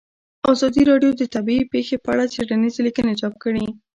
ازادي راډیو د طبیعي پېښې په اړه څېړنیزې لیکنې چاپ کړي.